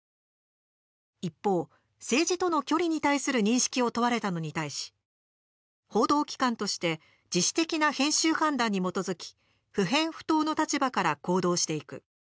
一方、政治との距離に対する認識を問われたのに対し報道機関として自主的な編集判断に基づき不偏不党の立場から行動していく。